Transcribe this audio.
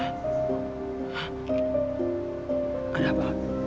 ada apa ada apa sama kamu